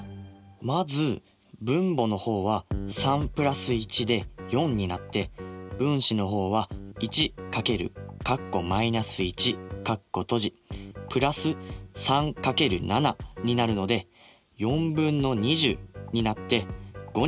まず分母の方は３＋１で４になって分子の方は１×＋３×７になるので４分の２０になって５になります。